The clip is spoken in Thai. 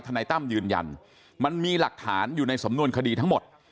นายตั้มยืนยันมันมีหลักฐานอยู่ในสำนวนคดีทั้งหมด